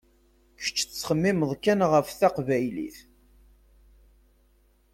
Kečč tettxemmimeḍ kan ɣef teqbaylit.